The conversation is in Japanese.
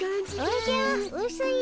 おじゃうすい。